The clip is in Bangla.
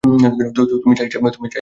তুমি যা ইচ্ছা তাই লিখতে পারো না।